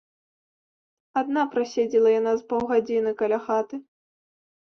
Адна праседзела яна з паўгадзіны каля хаты.